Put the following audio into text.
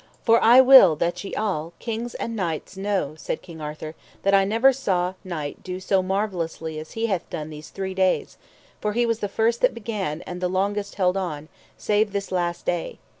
For I will that ye all, kings and knights, know, said King Arthur, that I never saw knight do so marvellously as he hath done these three days; for he was the first that began and that longest held on, save this last day.